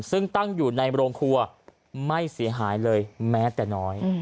ซึ่งตั้งอยู่ในโรงครัวไม่เสียหายเลยแม้แต่น้อย